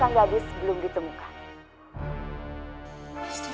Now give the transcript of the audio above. sang gadis belum ditemukan